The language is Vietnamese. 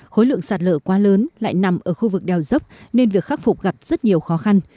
khối lượng sạt lở quá lớn lại nằm ở khu vực đèo dốc nên việc khắc phục gặp rất nhiều khó khăn